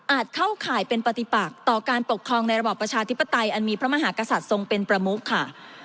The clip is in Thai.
เข้าข่ายเป็นปฏิปักต่อการปกครองในระบอบประชาธิปไตยอันมีพระมหากษัตริย์ทรงเป็นประมุกค่ะ